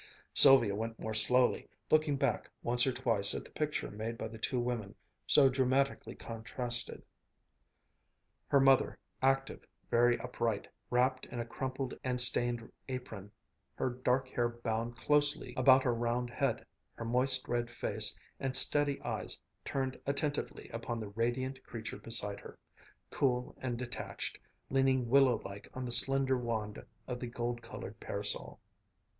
Sylvia went more slowly, looking back once or twice at the picture made by the two women, so dramatically contrasted her mother, active, very upright, wrapped in a crumpled and stained apron, her dark hair bound closely about her round head, her moist, red face and steady eyes turned attentively upon the radiant creature beside her, cool and detached, leaning willow like on the slender wand of the gold colored parasol.